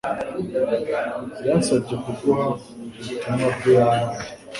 yansabye kuguha ubutumwa bwe yampaye.